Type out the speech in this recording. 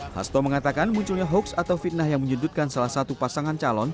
hasto mengatakan munculnya hoaks atau fitnah yang menyudutkan salah satu pasangan calon